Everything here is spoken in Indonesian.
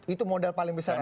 itu modal paling besar